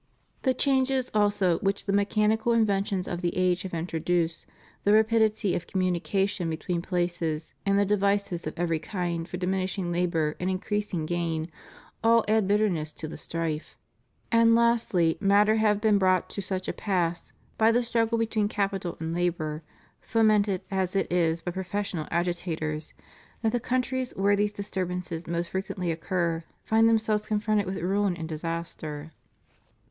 The changes also which the mechanical inventions of the age have introduced, the rapidity of communication between places and the devices of every kind for diminishing labor and increasing gain all add bitterness to the strife; and lastly matter have been brought to such a pass by the struggle between capital and labor, fomented as it is by professional agitators, that the countries where these disturbances most fre quently occur, find themselves confronted with ruin and disaster.